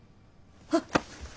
あっ。